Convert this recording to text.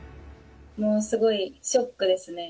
もうすごいショックですね。